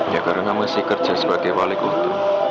ya karena masih kerja sebagai wali kota